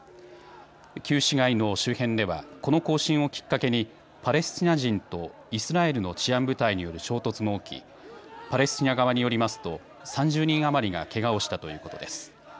旧市街の周辺ではこの行進をきっかけにパレスチナ人とイスラエルの治安部隊による衝突も起きパレスチナ側によりますと３０人余りがけがをしたということです。